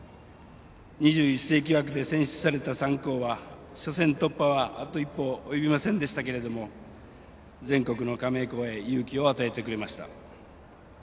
２１世紀枠で選出された３校は初戦突破はあと一歩、及びませんでしたけども全国の加盟校へ勇気を与えてくれました。